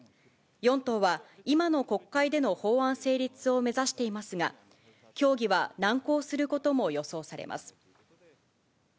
４党は今の国会での法案成立を目指していますが、協議は難航することも予想されます。